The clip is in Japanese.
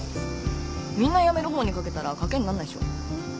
みんな辞める方に賭けたら賭けになんないっしょ。